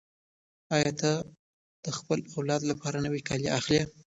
آیا ته د خپل واده لپاره نوي کالي اخلې؟